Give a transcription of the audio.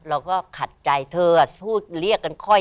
เราก็ขัดใจเธอพูดเรียกกันค่อย